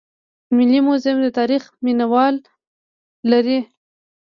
ملي موزیم د تاریخ مینه وال لري